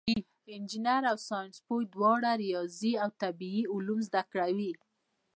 انجینر او ساینسپوه دواړه ریاضي او طبیعي علوم زده کوي.